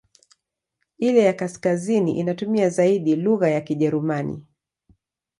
Ile ya kaskazini inatumia zaidi lugha ya Kijerumani.